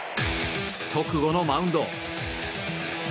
直後のマウンド。